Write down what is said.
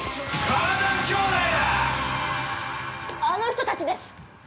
あの人たちです。